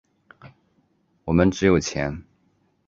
我们只有钱。